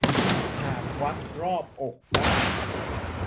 หากวัดรอบอกได้